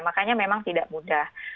makanya memang tidak mudah